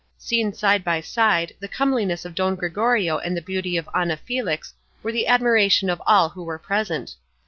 Seen side by side, the comeliness of Don Gregorio and the beauty of Ana Felix were the admiration of all who were present.